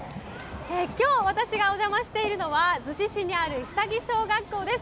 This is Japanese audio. きょう、私がお邪魔しているのは、逗子市にある久木小学校です。